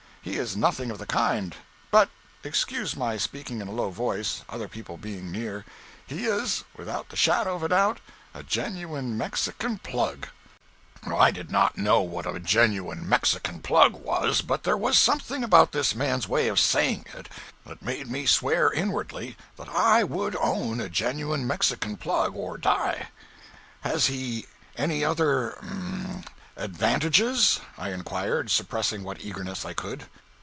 He is nothing of the kind; but—excuse my speaking in a low voice, other people being near—he is, without the shadow of a doubt, a Genuine Mexican Plug!" 179.jpg (96K) I did not know what a Genuine Mexican Plug was, but there was something about this man's way of saying it, that made me swear inwardly that I would own a Genuine Mexican Plug, or die. "Has he any other—er—advantages?" I inquired, suppressing what eagerness I could.